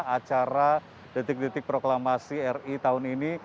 acara detik detik proklamasi ri tahun ini